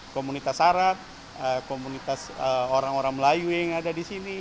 komunitas sarat komunitas orang orang melayu yang ada di sini